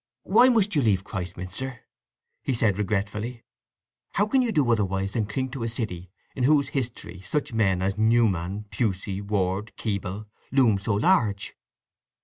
"Why must you leave Christminster?" he said regretfully. "How can you do otherwise than cling to a city in whose history such men as Newman, Pusey, Ward, Keble, loom so large!"